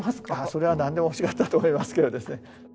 それはなんでも欲しがったと思いますけどですね。